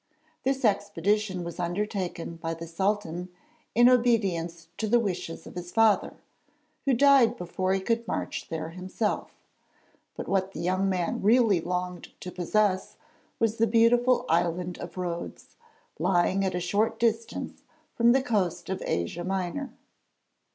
This expedition was undertaken by the Sultan in obedience to the wishes of his father, who died before he could march there himself; but what the young man really longed to possess was the beautiful Island of Rhodes lying at a short distance from the coast of Asia Minor.